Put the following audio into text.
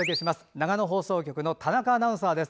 長野放送局の田中アナウンサーです。